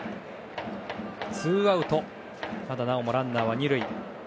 ツーアウトただ、なおもランナーは２塁。